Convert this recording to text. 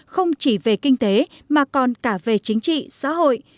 không chỉ về kinh tế mà còn cả về chính trị xã hội